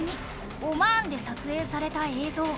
オマーンで撮影された映像。